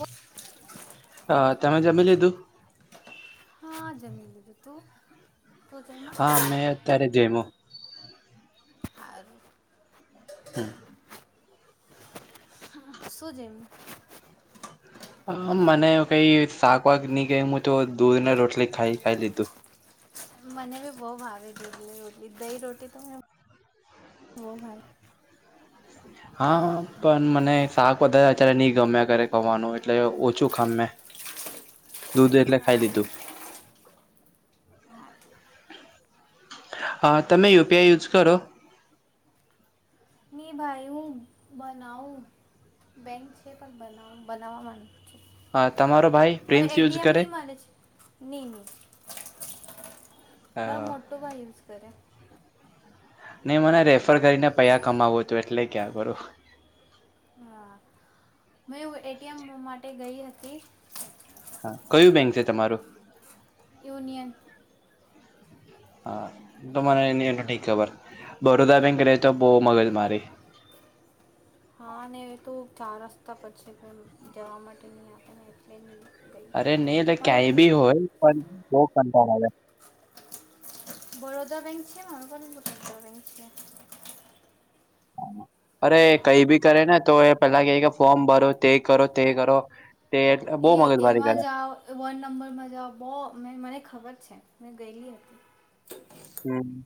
બ હ તમે જમી લીધું. હા જમીલીધું તું તું હા જમ્યા મે અત્યારે જયમો હારું હમ શું જયમુ હ મને કઈ શાક વાક નહી કઈ હું તો દૂધ ને રોટલી ખાઈ ખાઈ લીધું મને બી બહુ ભાવે દૂધ ને રોટલી દહી રોટી તો હું બો ભાવે હા પણ મને શાક વધારે અત્યારે ની ગમયા કરે ખવાનું એટલે ઓછું ખામ મેં દૂધ એટલે ખાઈ હા દીધું હા હા તમે યુ પી આઈ યુઝ કરો ની ભાઈ હું બનાવું બેન્ક છે પણ બનાવું બનાવાનું હા તમારો ભાઈ મરે એ પ્રિન્સ ટી યુઝ એમ કરે ની મલે છે ની ની મારો હા. મોટો ભાઈ યુઝ કરે ની મને રેફર કરીને પૈહા કમાવું હતું એટલે કેયા કરું હા મેં એટીએમ માટે ગઈ હતી હા કયું બેંક છે તમારું યુનિયન હા તો મને [unintelligible] ખબર બડોદરા બેંક રહે તો બહુ મગજ મારી હા ને એ તો ચાર રસ્તા પર છે પણ જવા માટે ની આપે ને એટલે ની અરે ની એટલે કાય બી હોય પણ બો કંટાળ આવે બરોદા બેંક છે મારાં પર [unintelligible] બેંક છે અરે કઈ ભી કરે ને તો એ પેલા કેય કે ફોર્મ ભરો તે કરો તે કરો તે એટલે બો મગજ એ મારી એમાં કરે જાઓ વન નંબરમાં જાઓ બો મે મને ખબર છે મેં ગેયલી હતી હમ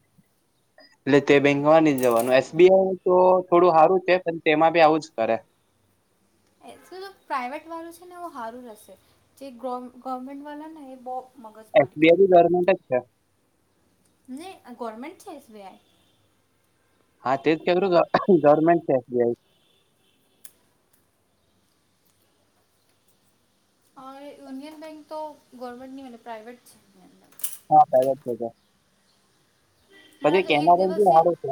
એટલે તે બેંકમાં ની જવાનું એસ બી આઈ તો થોડું હારું છે પણ તેમાં ભી આવું જ કરે એસું પ્રાઇવેટ વાળું છે ને હારું રહેશે જે ગવર્મેન્ટ વાળા ને એ બો એસબીઆઈ બી ગવર્મેન્ટ જ છે ને ગવરમેન્ટ છે એસ બી આઈ હા તે જ [unintelligible] ગવર્મેન્ટ શે S B I Union Bank તો ગવર્મેન્ટ ની પ્રાઇવેટ છે બેન્ક હા પ્રાઇવેટ તે તો મને પછી તો એક કેમેરા દિવસથી જ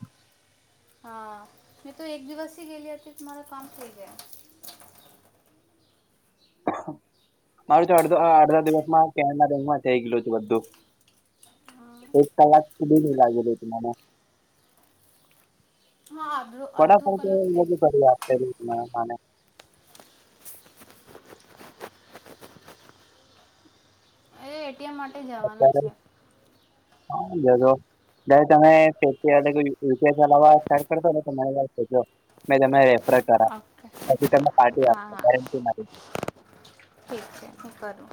[unintelligible] હા મે તો એક દિવસ ગેલી હતી મારાં કામ થઈ ગયા મારું તો અડધ અડધા દિવસમાં કે ના રેંગમાં થઈ ગયલું હતું બધું હા એક કલાક સુધી ની લાગે તને હા બલ વડાપાઉં તો [unintelligible] એ એટીમ મા અત્યારે હ જગ [unintelligible] મે તમે રેફર કરા ઓકે પછી તમે પાર્ટી હા આપો હા ગેરંટી મારી ઠીક છે, હું કરું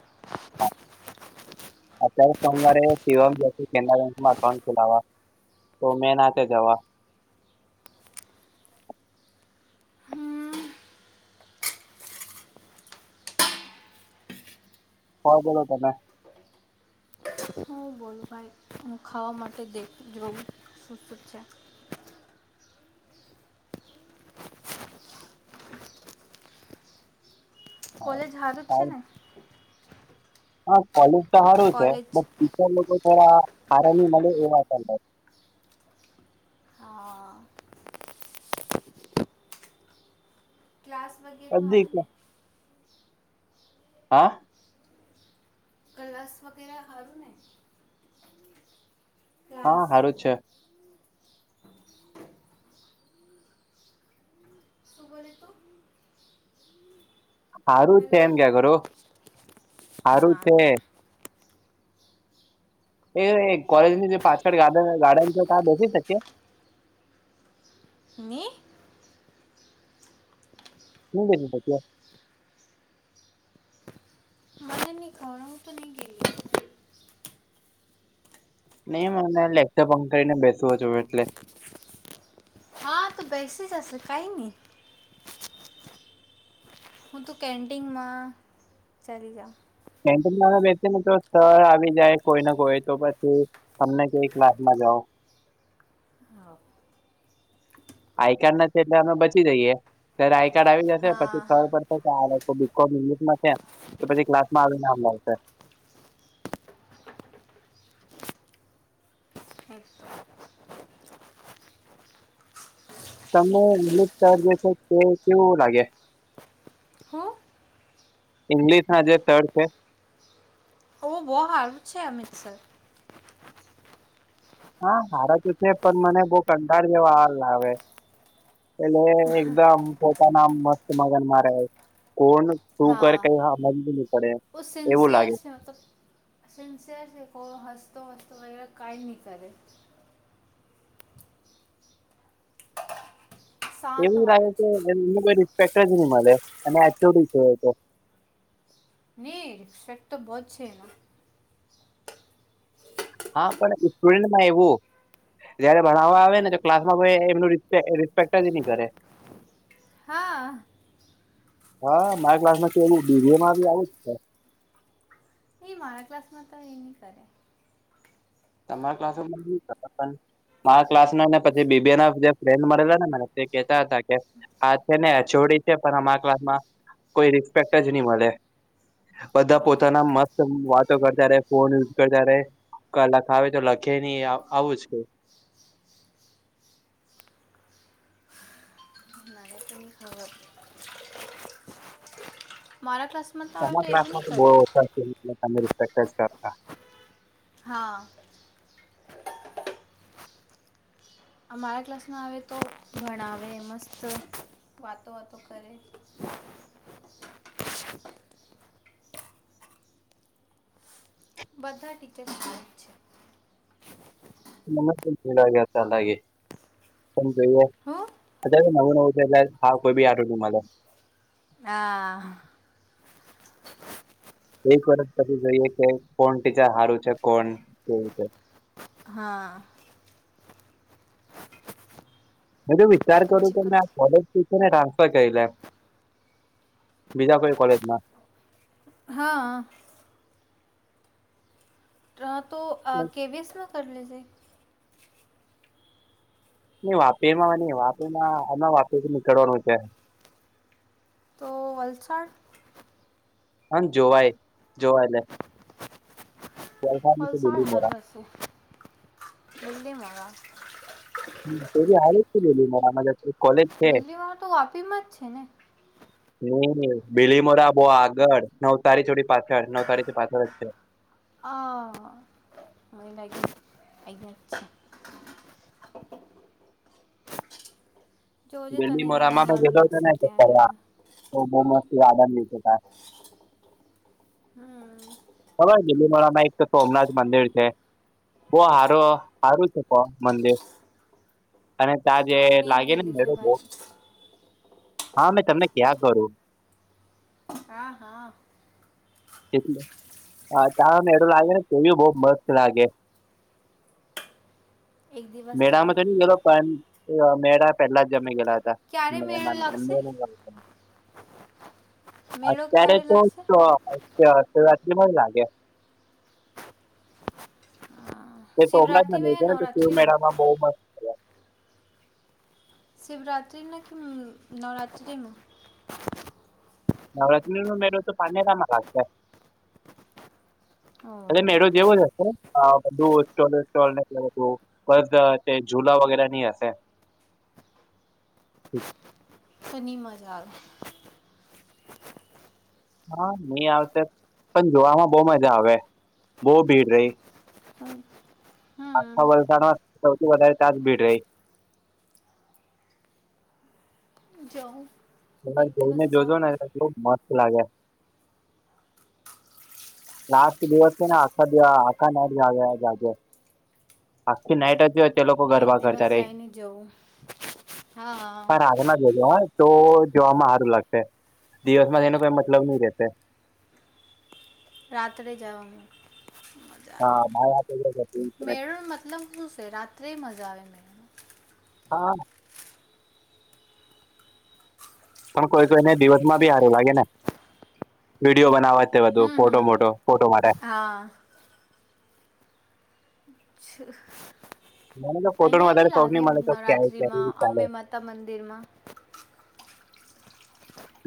અત્યારે સોમવારે સવા કે બેંકમાં અઉન્ટ ખોલાવા તો મેં નાથે જવા હમ, હવા બોલો તમે હું બોલું ભાઈ હું ખાવા માટે દે જોવું શું શું છે. હા કોલેજ હારુ જ છે સારું. ને? હા કોલેજ તો સારું છે બ કોલેજ ટીચર લોકો થોરા સારા ની મળે એવા હા ક્લાસ વગેર હારુ બધી ને? હા ગ્લાસ વગેરે હારું ને? ક્લાસ હા સારું જ છે. શું બોલે તું? સારું છે હેલો એમ ક્યાં કરું સારું હા છે. હા એ કોલેજની જે પાછળ ગાર્ડ ગાર્ડન છે ત્યા બેસી શકીએ? હની [unintelligible] હ નિ ખાડા હું તો ની ગઈ નહી મને લેક્ચર બંધ કરીને બેસું છું એટલે આ તો બેસી રશે કઈ નહી હું તો કેન્ટિનમાં ચાલી જાઉં કેન્ટીનમાં બેસી ને તો સર આવી જાય કોઈને કોઈ તો પછી તમને કેઈ ક્લાસ માં જાઓ. હા આઈ કાર્ડ નથી એટલે અમે બચી જઈએ ત્યારે આઈ કાર્ડ આવી જશે હા પછી ખબર પ આ લોકો બીકોમ ઇંગ્લિશમાં છે તો પછી ક્લાસમાં આવીને અભશે હ [unintelligible] તને અમિત સર જે છે તે કેવું લાગે? હા ઈંગ્લિશ ના જે સર છે. ઓહ બો હારું છે અમિતસર. હા સારા તો છે પણ મને બહુ કંટાળો જેવા હ લાવેે એટલે એકદમ પોતાના મસ્ત મગનમાં રહે. કોણ શું કરે હા કઈ હમજ નહી પડે ઓ એવું સિન્સિયર લાગે. છે મતલબ સિન્સિયર છે કો હસતો વસતો વગેરે કઈ ની કરે શાંત એવું રહે વાળો કે છે એમને કોઈ રિસ્પેક્ટ જ નહી મળે અને આચોડી છે એ તો નને રિફેટ તો બોજ છે એના હા પણ સ્ટુડન્ટમાં એવું. જયારે ભણાવવા આવે ને તો ક્લાસમાં કોઈ એમનું રિસ્પે રિસ્પેક્ટ જ નહી કરે. હા હા મા ક્લાસ કે એવું બડીમાં બી આવ જ છે. એ મારા ક્લાસમાં તો એ ની કરે તમારા ક્લાસ [unintelligible] મારા ક્લાસમાં ને હું પછી બીબ ના જે ફ્રેન્ડ મળેલા ને મને તે કેહેતા હતા કે આ છે ને જોોડી છે પણ અમા ક્લાસમાં કોઈ રિસ્પેક્ટ જ નહી મળે બધા પોતાના મસ્ત વાતો કરતા ર ફોન યુઝ કરતા ર કલા હવે તો લખે નહી આવું જ કે ઘ ના ત ખ મારા ક્લાસમાં તો આવે એના તો એવું ક્લાસમાં નહીં, બહુ કરે ઓછા છે તમે રિસ્પેક્ટ જ કરતા હા અમારા ક્લાસમાં આવે તો ભણાવે મસ્ત વાતો વાતો કરે બધા ટીચર છે. નમસ્તે ખ્યા ચાલાાગે જોઈએ હું અત્યારે નવું નવું છે, એટ હા કોઈ બી આરોગ્યમા હા એક વર્ષ પછી જોઈએ કે કોણ ત હારુ છે, કોણ કેવું છે. હા વિચાર કરુ પછી કે આ પછી કોલેજ ટ્રાન્સફર કરી લે બીજા કોઈ કોલેજમા હા. હા તો કર લેજે. ની વાપીમાં ની વાપીમાં અમણા વાપીથી નીકળવાનું છે. તો વલસાડ હ જોવાય જોવા એટલે વલસાડની તો બીલીમોરા [unintelligible] હ તેવી આવે તો વાપીમાં જ છેને [inaudible] હમ બીલી મોરા બો આગળ નવતારી છોડી પાછળ નવસારીથી પાછળ જ છે. અ મને લાગે અયાજ છે. છે જોજે તને જ્યાં બીલીમોરામાં મેં સારું ગેતો હતો ને લાગશે તો ત્યાં જજે બોઉ મસ્તી હમ્મ ખબર બીલીમોરામાં એક તો સોમનાથ મંદિર છે. બો હારો હારુ છે, મંદિર અને ત્યાં જે હા હું નહીં લાગે ને ગયેલી મેળો છું બો ભાઈ હા મેં તમને ક્યાં કરુ હા હા‌ એટલે અ તા મેળુ લાગે બોઉ મસ્ત લાગે. એક દિવસ જાઉં મેળામાં તો ની ગલો પણ મેળા પેલા અમે ગેલા હતા. ક્યારે મેળો મે લાગશે મેળો અત્યારે ક્યારે તો લાગશે શિવરાતિ પણ જ લાગે. હા, એ તો શિવરાત્રિમાં યા નવરાત્રિમાં શિવમેળામા બોઉ મસ્ત શિવરાત્રિમાં કેમ નવરાત્રિમા નવરાત્રી નું મેળો તો પાનેરામાં લાગે. અરે ઓહ મેળો જેવો જે [unintelligible] તે ઝુલા વગેરે ની હશે. તોની મજા આવે હા ની આવતે પણ જોવામાં બો મજા આવે. બો ભીડ રેય. હમ્મ આખા વલસાડમાં સૌથી વધારે તાજ ભીડ રેય. જાહુ [unintelligible] જોઈને જોજો ને કેટલુંક મસ્ત લાગે લાસ્ટ દિવસે ને આખા [unintelligible] આખા નાડી જાગ્યા જાગ્યા. આખી નાઈટ અજત તે લોકો એક ગરબા કરતા દિવસ રેય જઈને જવું હા પણ રાતના જોજો હ. તો જોવામાં હારું લાગશે દિવસમાં તેનો કઈ મતલબ ની રેશે. રાત્રે જવાનું ખુબ મજા આવે હા બાર વાગે મેળોમત રમુસે રાત્રેય મજા આવે ને. હા. પણ કોઈ કોઈ દિવસમાં બી હારું વાગે ને. વિડીયો બનાવવાથી તે બધું હમ ફોટો હમ મોટો ફોટો માટે હા મને તો ફોટો નો અહીંયા ભી વધારે શોખ લાગે નહીં મને તો ક્યાંય ક્યાંય નવરાત્રિમાં ચાલે અમ્બે માતા મંદિરમાં.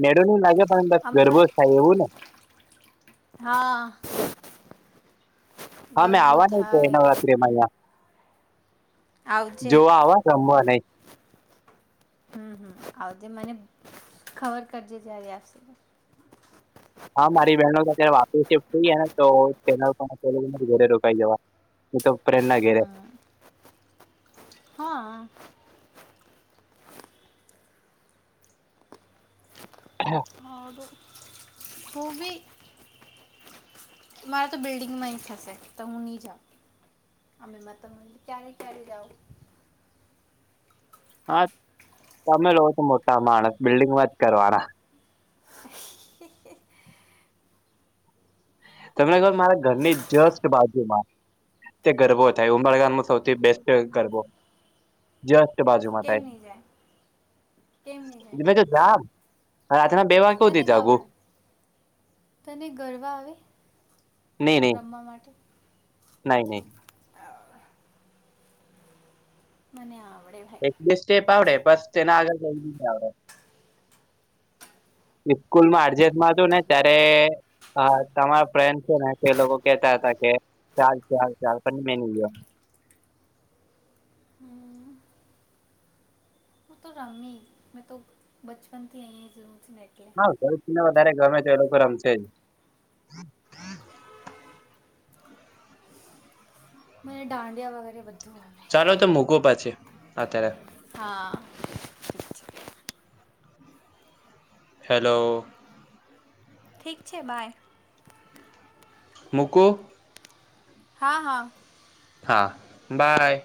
મેડો નું લાગે પણ બસ અંબે ગરબો જ માતા થાય એવું ને? હા. હા મેં ગરબો આવાનુ છે થાય નવરાત્રી. જેમલા આવજે જોવા આવા રમવા નહીં. હમ હમ આવજે મને ખબર કરજે જ્યારે આવશે ત્યારે. હા મારી બહેનો તો અત્યારે વાપસફ્ટ થઈ ને તો ચનલ ઘરે રોકાઈ જવા. ત તો પ્રેન્ ના ગેરે હમ હા. હા. આરુ ખૂબી. મારે તો બિલ્ડિંગમાં થશે તો હું નહી જાઉ. અમે મતા મા ક્યારે ક્યારે જાાવ. હા તમે લો છો મોટા માણસ બિલ્ડિંગમાં જ કરવાના [inaudible] તમને કહો મારા ઘરની જસ્ટ બાજુ માં. તે ગરબો થાય ઉબરગામ ન સૌથી બેસ્ટ ગરબો જ તે બાજુમાં કેમ થાય. નહીં જાય કેમ નહીં જાય રામ રાતના બે વાગે તને સુધી જાગું. ગવડ તને ગરવા આવે. નહી નહી રમવા માટે નહી નહી. [unintelligible] મને આવડે. એક ભાઈ બેસ સ્ટેપ આવડે બસ તેને આગળ કઈ નહિ આવડે. ઈસ્કૂલ માં અરજત માં હતું ને ત્યારે હા તમારા ફ્રેન્ડ છે ને તે લોકો કેતા હતા કે ચાલ ચાલ ચાલ પણ મેની ગયો. હું તો રંમી મેં તો બચપનથી આહી હ જરૂરથી લકે આ ગલશ ને વધારે ગમે તો એ લોકો રમશે જ મને દાંડિયા વગેરે બધું આવે ચાલો તો મૂકો પાછે અત્યારે હા. હેલો. ઠીક છે બાય. મૂકુ. હા. હા. હા બાય.